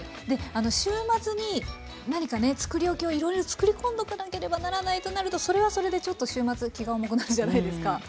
で週末に何かね作り置きをいろいろ作り込んどかなければならないとなるとそれはそれでちょっと週末気が重くなるじゃないですか。